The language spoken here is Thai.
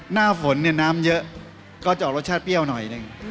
หน้าฝนเนี่ยน้ำเยอะก็จะออกรสชาติเปรี้ยวหน่อยหนึ่ง